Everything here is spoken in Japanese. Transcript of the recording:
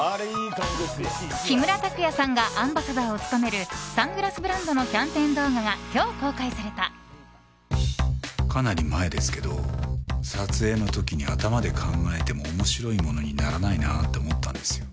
木村拓哉さんがアンバサダーを務めるサングラスブランドのキャンペーン動画がかなり前ですけど撮影の時に頭で考えても面白いものにならないなと思ったんです。